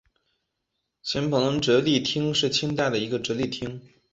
黔彭直隶厅是清代的一个直隶厅。